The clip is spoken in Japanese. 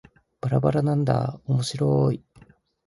ばらばらなんだーおもしろーい